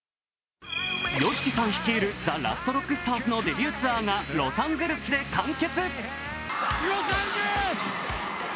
ＹＯＳＨＩＫＩさん率いるＴＨＥＬＡＳＴＲＯＣＫＳＴＡＲＳのデビューツアーがロサンゼルスで完結。